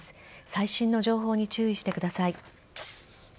最新の情報に注意してください。